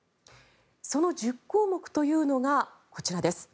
その１０項目というのがこちらです。